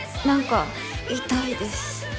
何か痛いです。